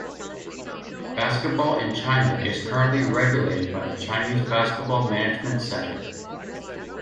Basketball in China is currently regulated by the Chinese Basketball Management Center.